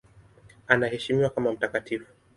Anaheshimiwa kama mtakatifu.